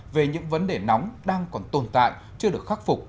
về những vấn đề nóng đang còn tồn tại chưa được khắc phục